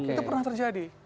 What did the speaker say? itu pernah terjadi